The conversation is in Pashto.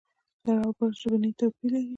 لر او بر ژبنی توپیر لري.